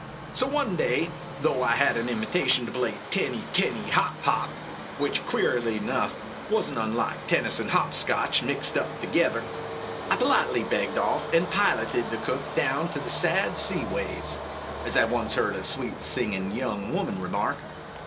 So one clay, though I had an invitation to play tenny tenny Jiop /^ which, queerly enough, was n't unlike tennis and hop scotch mixed up together 1 politely begged off, and piloted the Cook down to the "sad sea waves" (as I once heard a sweet singin' young woman remark).